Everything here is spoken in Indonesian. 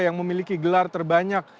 yang memiliki gelar terbanyak